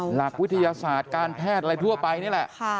หลักวิทยาศาสตร์การแพทย์อะไรทั่วไปนี่แหละ